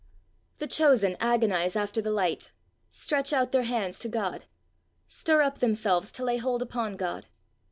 The chosen agonize after the light; stretch out their hands to God; stir up themselves to lay hold upon God!